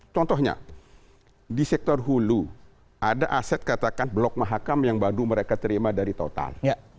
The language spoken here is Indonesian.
contohnya di sektor hulu ada aset katakan blok mahakam yang baru mereka terima dari total